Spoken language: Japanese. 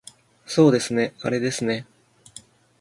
そうですねあれですね